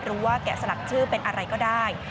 หรือว่าแกะสลักชื่อเป็นอะไรก็ได้